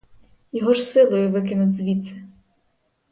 Його ж силою викинуть звідси.